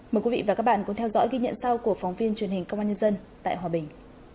mời quý vị và các bạn cùng theo dõi ghi nhận sau của phóng viên truyền hình công an nhân dân tại hòa bình